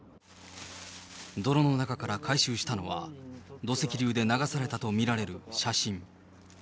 泥の中から回収したのは、土石流で流されたと見られる写真。